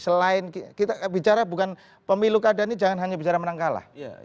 selain kita bicara bukan pemilu keadaan ini jangan hanya bicara menang kalah